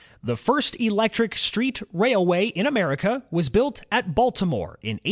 The first electric street railway in America was built at Baltimore, in 1885.